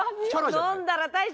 「飲んだら大将」！